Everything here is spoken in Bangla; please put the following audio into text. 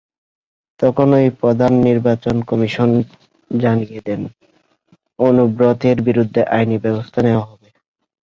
তখনই প্রধান নির্বাচন কমিশনার জানিয়ে দেন, অনুব্রতের বিরুদ্ধে আইনি ব্যবস্থা নেওয়া হবে।